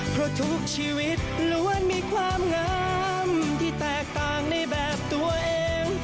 เพราะทุกชีวิตล้วนมีความงามที่แตกต่างในแบบตัวเอง